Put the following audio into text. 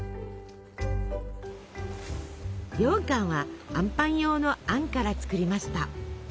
ようかんはあんパン用のあんから作りました。